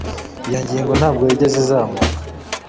iyo ngingo ntabwo yigeze izamuka